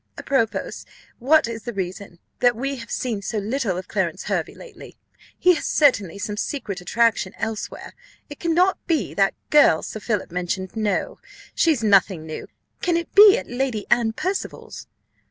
Apropos, what is the reason that we have seen so little of Clarence Hervey lately? He has certainly some secret attraction elsewhere. It cannot be that girl Sir Philip mentioned; no, she's nothing new. Can it be at Lady Anne Percival's?